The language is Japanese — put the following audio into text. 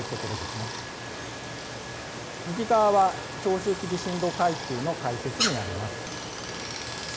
右側は長周期地震動階級の解説になります。